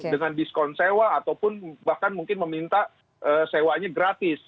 dengan diskon sewa ataupun bahkan mungkin meminta sewanya gratis